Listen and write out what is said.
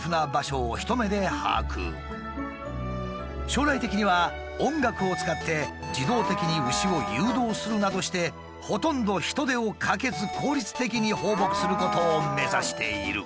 将来的には音楽を使って自動的に牛を誘導するなどしてほとんど人手をかけず効率的に放牧することを目指している。